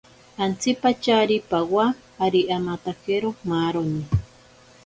Antsipatyari pawa ari amatakero maaroni.